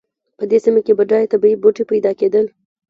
په دې سیمه کې بډایه طبیعي بوټي پیدا کېدل.